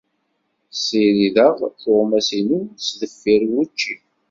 Ssirideɣ tuɣmas-inu sdeffir wucci.